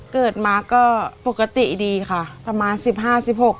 เกิดมาก็ปกติดีค่ะประมาณ๑๕๑๖ปี